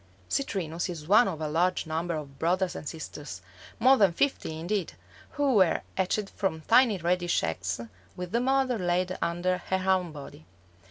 Citrinus is one of a large number of brothers and sisters, more than fifty indeed, who were hatched from tiny reddish eggs which the mother laid under her own body.